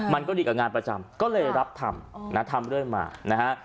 มันก็ดีกว่างานประจำก็เลยรับทำนะทำเรื่อยมานะฮะ